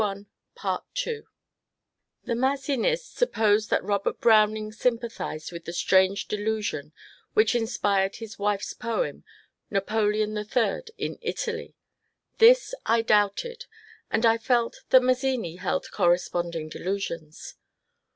64 MONCURE DANIEL CONWAY The Mazzinists supposed that Bobert Browning sympa thized with the strange delusion which inspired his wife's poem, ^^ Napoleon III in Italy." This I doubted, and I felt that Mazzini held corresponding delusions.